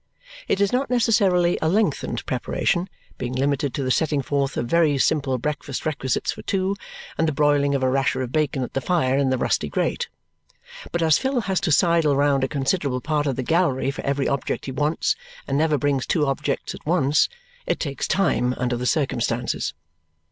It is not necessarily a lengthened preparation, being limited to the setting forth of very simple breakfast requisites for two and the broiling of a rasher of bacon at the fire in the rusty grate; but as Phil has to sidle round a considerable part of the gallery for every object he wants, and never brings two objects at once, it takes time under the circumstances.